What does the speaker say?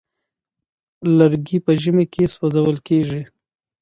لرګي په ژمي کې سوزول کيږي.